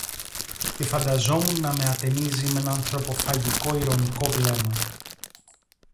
Τη φανταζόμουν να με ατενίζει μ’ ένα ανθρωποφαγικό ειρωνικό βλέμμα,